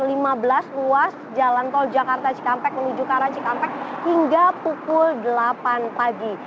lalu di bawah jalan tol jakarta cikampek menuju ke arah cikampek hingga pukul delapan pagi